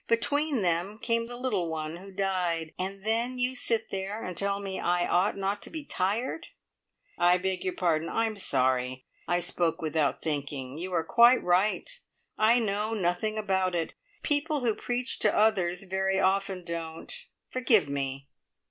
Between them came the little one who died. And then you sit there and tell me I ought not to be tired!" "I beg your pardon. I'm sorry. I spoke without thinking. You are quite right I know nothing about it. People who preach to others very often don't. Forgive me!"